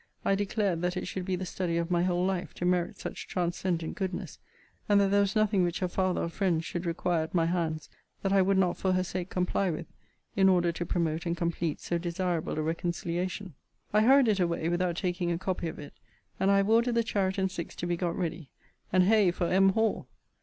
I declared that it should be the study of my whole life to merit such transcendent goodness: and that there was nothing which her father or friends should require at my hands, that I would not for her sake comply with, in order to promote and complete so desirable a reconciliation.' I hurried it away without taking a copy of it; and I have ordered the chariot and six to be got ready; and hey for M. Hall!